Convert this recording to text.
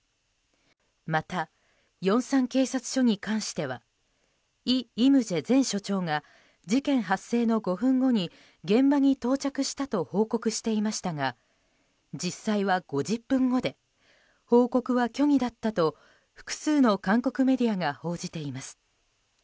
またヨンサン警察署に関してはイ・イムジェ前署長が事件発生の５分後に現場に到着したと報告していましたが実際は５０分後で報告は虚偽だったと、複数の韓国メディアが報じています。